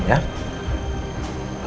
gak kabar malah tenang ya